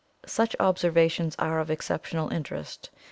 Such observations are of exceptional interest.